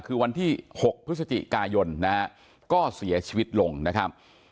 คือวันที่๖พฤศจิกายนนะฮะก็เสียชีวิตลงนะครับ